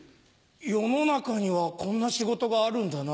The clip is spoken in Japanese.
世の中にはこんな仕事があるんだな。